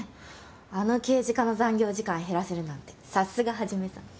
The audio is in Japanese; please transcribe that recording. あの刑事課の残業時間減らせるなんてさすが一さん。